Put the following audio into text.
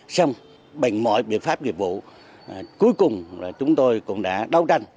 xong bằng mọi biện pháp nghiệp vụ cuối cùng là chúng tôi cũng đã đấu tranh